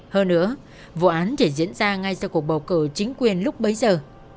hơn nữa vụ án chỉ diễn ra ngay sau cuộc bầu cử chính quyền lúc bấy giờ